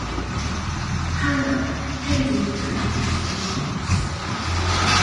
However, Hayden defended his remarks.